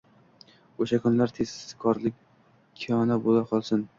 O’sha kunlar tezrokkina bo’la qolsin